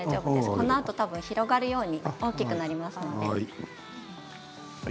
このあと広がるように大きくなっていきます。